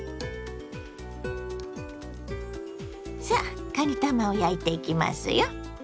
さあかにたまを焼いていきますよ。